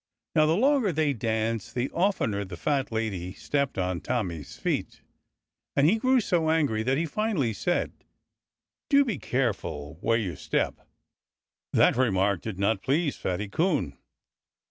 Now, the longer they danced, the oftener the fat lady stepped on Tommy's feet. And he grew so angry that he finally said: "Do be careful where you step!" That remark did not please Fatty Coon.